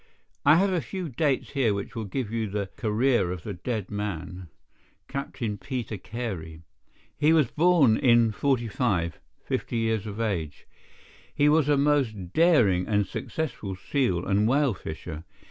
"I have a few dates here which will give you the career of the dead man, Captain Peter Carey. He was born in '45—fifty years of age. He was a most daring and successful seal and whale fisher.